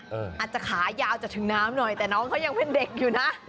อาจจะขายาวจะถึงน้ำหน่อยแต่น้องเขายังเป็นเด็กอยู่นะ